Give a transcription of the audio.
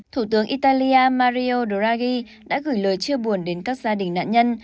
thủ tướng italia mario draghi đã gửi lời chưa buồn đến các gia đình nạn nhân